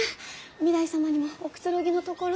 御台様にもおくつろぎのところ。